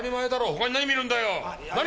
他に何を見るんだよ！？